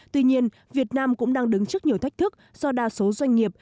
tuy nhiên việt nam cũng đang đứng trước nhiều thách thức do đa số doanh nghiệp